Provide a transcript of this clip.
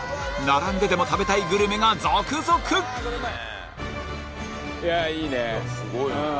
並んででも食べたいグルメが続々いやあいいねわあ